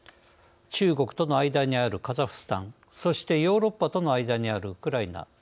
中国との間にあるカザフスタンそしてヨーロッパとの間にあるウクライナ。